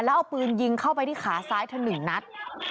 แล้วเอาปืนยิงเข้าไปที่ขาซ้ายเธอ๑นัด